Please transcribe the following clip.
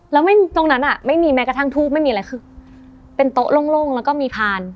แล้วไม่ตรงนั้นอ่ะไม่มีแม้กระทั่งทูบไม่มีอะไรคือเป็นโต๊ะโล่งแล้วก็มีพาน